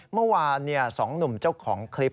เมื่อวาน๒หนุ่มเจ้าของคลิป